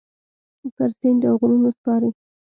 پر سیند اوغرونو سپارې